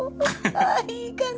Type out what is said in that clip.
あいい感じ